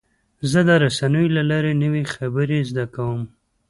زه د رسنیو له لارې نوې خبرې زده کوم.